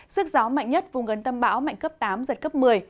sức gió mạnh nhất vùng gần tâm bão mạnh cấp tám giật cấp một mươi